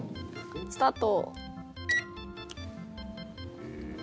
スタート。